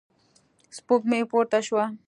سپوږمۍ پورته شوه.